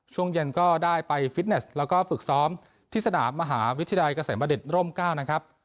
ช่วงเย็นก็ได้ไปฟิตเนสแล้วก็ฝึกซ้อมที่สนามมหาวิทยาลัยเกษมบดิษฐร่ม๙นะครับ